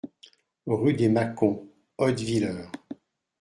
Rue des Macons, Hottviller